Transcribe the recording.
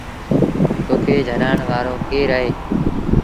تو کي جھلآڻ وآرو ڪير اهي؟